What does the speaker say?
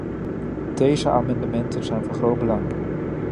Deze amendementen zijn van groot belang.